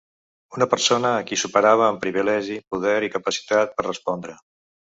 Una persona a qui superava en privilegi, poder i capacitat per respondre.